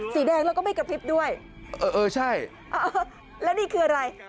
สีแดงแล้วก็ไม่กระพริบด้วยเออเออใช่เออแล้วนี่คืออะไร